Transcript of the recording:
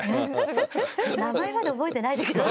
名前まで覚えてないんだけど。